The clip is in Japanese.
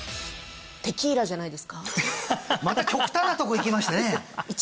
また極端なとこいきましたね？